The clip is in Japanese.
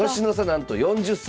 なんと４０歳。